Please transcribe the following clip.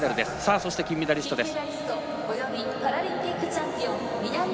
そして、金メダリストです。